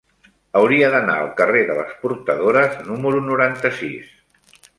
Hauria d'anar al carrer de les Portadores número noranta-sis.